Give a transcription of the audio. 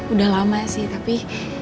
udah lama sih tapi